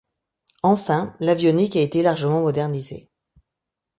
Enfin, l'avionique a été largement modernisée.